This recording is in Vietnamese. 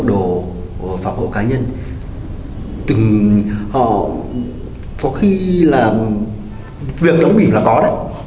đồ pháo hộ cá nhân từng họ có khi là việc đóng bỉ là có đấy